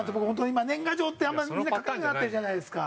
今年賀状ってあんまりみんな書かなくなってるじゃないですか。